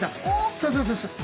そうそうそうそう。